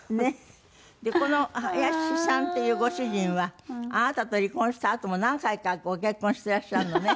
でこの林さんっていうご主人はあなたと離婚したあとも何回かご結婚してらっしゃるのね。